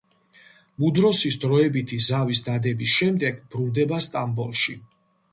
მუდროსის დროებითი ზავის დადების შემდეგ ბრუნდება სტამბოლში.